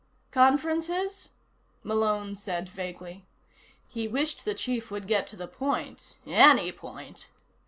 "Conferences?" Malone said vaguely. He wished the Chief would get to the point. Any point.